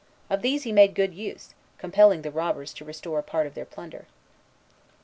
Of these he made good use, compelling the robbers to restore a part of their plunder.